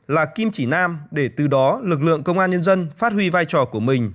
là kim chỉ nam để từ đó lực lượng công an nhân dân phát huy vai trò của mình